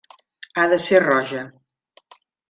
Ha de ser roja.